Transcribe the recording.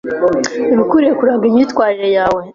ibikwiriye kuranga imyitwarire yawe,